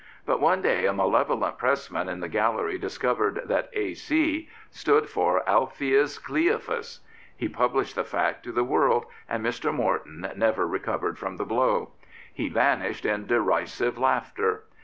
But one day a malevolent pressman in the Gallery discovered that " A. C.'* stood for Alpheus Cleophas. He published the fact to the world, and Mr. Morton never recovered from the blow. He vanished in derisive laughter.